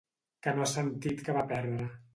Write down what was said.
Que no has sentit que va perdre?